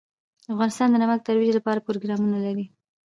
افغانستان د نمک د ترویج لپاره پروګرامونه لري.